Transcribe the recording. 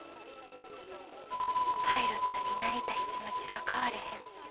パイロットになりたい気持ちは変われへん。